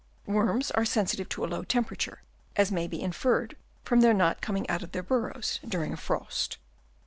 Worms are sensitive to a low temper ature, as may be inferred from their not coming out of their burrows during a frost.